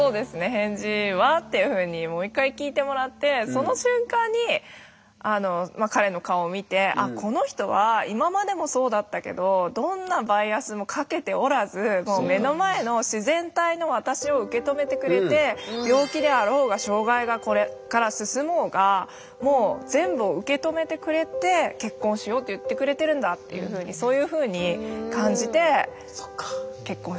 「返事は？」っていうふうにもう一回聞いてもらってその瞬間に彼の顔を見てあっこの人は今までもそうだったけどどんなバイアスもかけておらず目の前の自然体の私を受け止めてくれて結婚しようって言ってくれてるんだっていうふうにそういうふうに感じて「結婚しましょ」って。